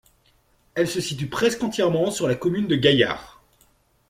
Elle se situe presque entièrement sur la commune de Gaillard.